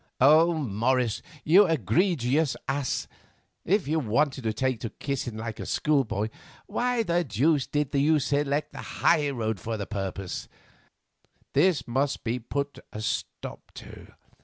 Oh, Morris, you egregious ass, if you wanted to take to kissing like a schoolboy, why the deuce did you select the high road for the purpose? This must be put a stop to.